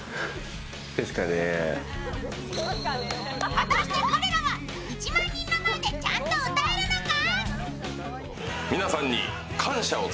果たして彼らは１万人の前でちゃんと歌えるのか。